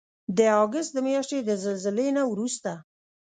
د اګست د میاشتې د زلزلې نه وروسته